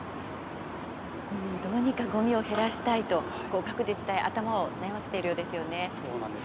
どうにかごみを減らしたいと、各自治体頭を悩ませているようでそうなんです。